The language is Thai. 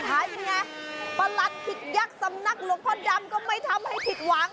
ไงประหลัดขิกยักษ์สำนักหลวงพ่อดำก็ไม่ทำให้ผิดหวัง